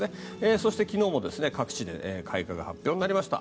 そして昨日も各地で開花が発表になりました。